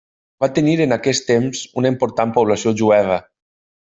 Va tenir en aquest temps una important població jueva.